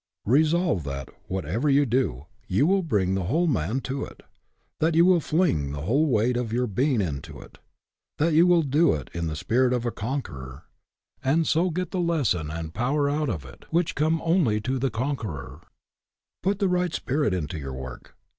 Resolve that, what ever you do, you will bring the whole man to it; that you will fling the whole weight of your being into it; that you will do it in the spirit of a conqueror, and so get the lesson and power out of it which come only to the con queror. Put the right spirit into your work.